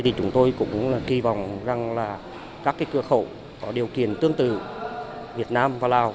thì chúng tôi cũng kỳ vọng rằng là các cửa khẩu có điều kiện tương tự việt nam và lào